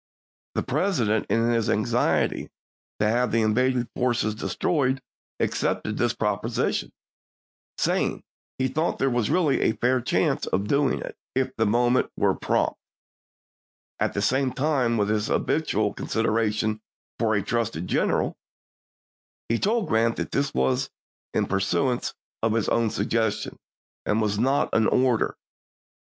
The President, in his anxiety to have the in vading force destroyed, accepted this proposition, EARLY'S CAMPAIGN AGAINST WASHINGTON 167 saying he thought there was really a fair chance chap.vii. of doing it, if the movement were prompt. At the same time, with his habitual consideration for a trusted general, he told Grant that this was in pur suance of his own suggestion, and was not an or der.